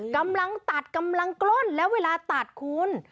กำลังตัดกำลังกล้นแล้วเวลาตัดคุณ